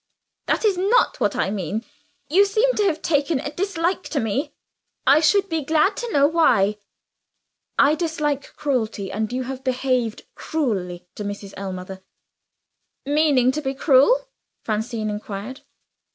"That is not what I mean. You seem to have taken a dislike to me. I should be glad to know why." "I dislike cruelty and you have behaved cruelly to Mrs. Ellmother." "Meaning to be cruel?" Francine inquired.